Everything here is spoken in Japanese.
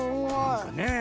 なんかねえ。